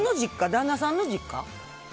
旦那さんの実家？